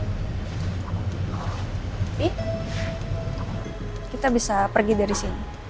tapi kita bisa pergi dari sini